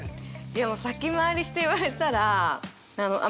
でも先回りして言われたらあっ